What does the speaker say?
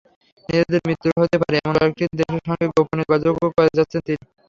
নিজেদের মিত্র হতে পারে—এমন কয়েকটি দেশের সঙ্গে গোপনে যোগাযোগও করে যাচ্ছেন তিনি।